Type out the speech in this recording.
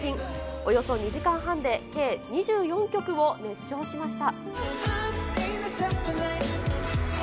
およそ２時間半で計２４曲を熱唱しました。